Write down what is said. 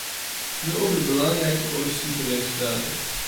Nu over de belangrijke positieve resultaten.